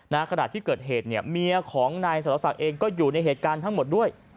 ขณะที่เกิดเหตุเนี่ยเมียของนายสรศักดิ์เองก็อยู่ในเหตุการณ์ทั้งหมดด้วย